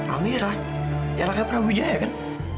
amirah anaknya prabu wijaya kan